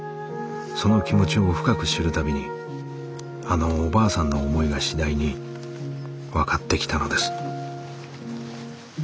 その気持ちを深く知る度にあのおばあさんの思いが次第に分かってきたのです。